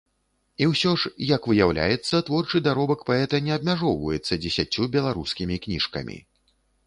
І ўсё ж, як выяўляецца, творчы даробак паэта не абмяжоўваецца дзесяццю беларускімі кніжкамі.